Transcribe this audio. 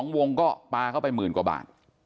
๒วงก็ปลาเข้าไปหมื่นกว่าบาท